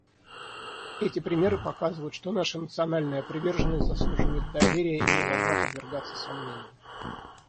Эти примеры показывают, что наша национальная приверженность заслуживает доверия и не должна подвергаться сомнению.